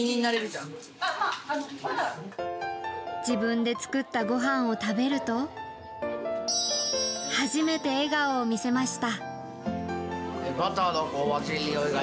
自分で作ったご飯を食べると初めて笑顔を見せました。